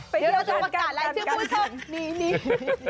ไปเที่ยวกันอากาศไลน์ชื่อพูดสอง